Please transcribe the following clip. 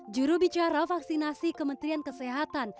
jurubicara vaksinasi kementerian kesehatan